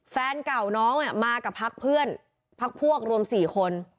แฟนเก่าน้องมากับพักเพื่อนพักพวกรวม๔คน